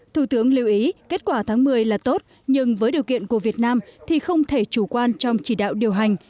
thủ tướng lưu ý kết quả tháng một mươi là tốt nhưng với điều kiện của việt nam thì không thể chủ quan trong chỉ đạo điều hành